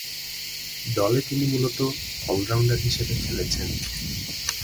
দলে তিনি মূলতঃ অল-রাউন্ডার হিসেবে খেলছেন।